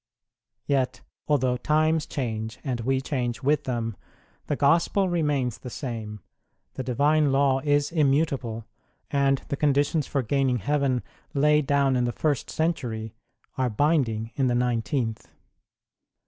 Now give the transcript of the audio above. Yet, although times change and we change with them, the 1 St. Luke ix. 23. INTRODUCTION ig Gospel remains the same, the Divine law is immutable, and the conditions for gaining heaven laid down in the first century are binding in the nineteenth.